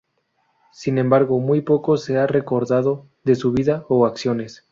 Sin embargo, muy poco se ha recordado de su vida o acciones.